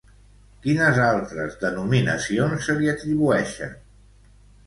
Quines altres denominacions se li atribueixen?